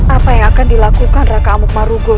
apa yang akan dilakukan raka amuk marugul